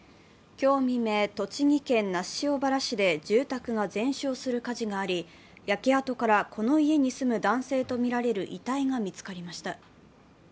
今日未明、栃木県那須塩原市で住宅が全焼する火事があり、焼け跡からこの家に住む男性とみられる遺体が見つかりました。